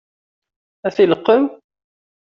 Ad t-ileqqem?